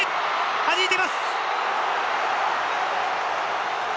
はじいています！